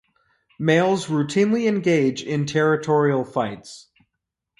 Males routinely engage in territorial fights.